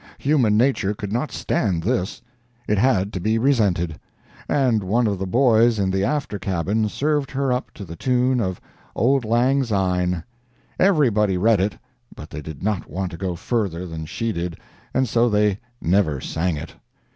Human nature could not stand this. It had to be resented; and one of the boys in the after cabin served her up to the tune of "Auld Lang Syne." Everybody read it, but they did not want to go further than she did, and so they never sang it.